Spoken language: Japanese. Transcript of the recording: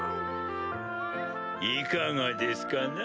いかがですかな？